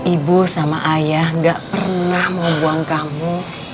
ibu sama ayah gak pernah mau buang kamu